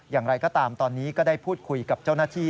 อย่างไรก็ตามตอนนี้ก็ได้พูดคุยกับเจ้าหน้าที่